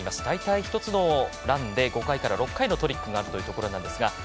大体１つのランで５回から６回のトリックがあるということですが。